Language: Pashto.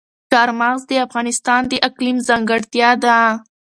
چار مغز د افغانستان د اقلیم ځانګړتیا ده.